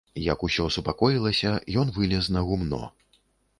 Як ўсё супакоілася, ён вылез на гумно.